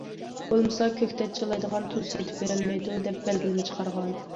بولمىسا، كۆكتات چىلايدىغان تۇز سېتىپ بېرىلمەيدۇ، دەپ بەلگىلىمە چىقارغان.